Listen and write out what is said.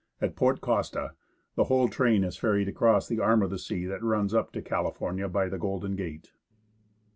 At Port Costa the whole train is ferried across the arm of the sea that runs up to California by the Golden Gate.